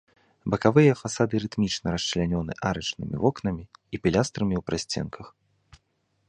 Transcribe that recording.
Бакавыя фасады рытмічна расчлянёны арачнымі вокнамі і пілястрамі ў прасценках.